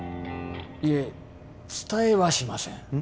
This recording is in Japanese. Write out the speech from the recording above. いえ伝えはしませんうん？